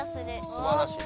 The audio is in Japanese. すばらしい。